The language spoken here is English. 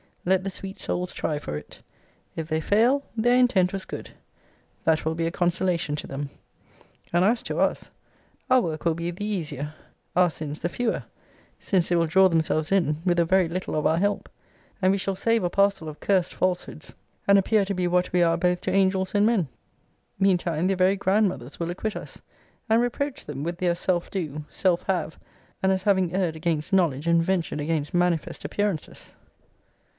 Let the sweet souls try for it: if they fail, their intent was good. That will be a consolation to them. And as to us, our work will be the easier; our sins the fewer: since they will draw themselves in with a very little of our help; and we shall save a parcel of cursed falsehoods, and appear to be what we are both to angels and men. Mean time their very grandmothers will acquit us, and reproach them with their self do, self have, and as having erred against knowledge, and ventured against manifest appearances.